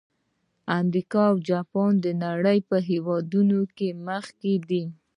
امریکا او جاپان د نړۍ په هېوادونو کې مخکې دي.